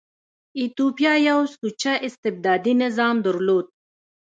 ایتوپیا یو سوچه استبدادي نظام درلود.